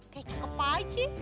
kayak cakep aja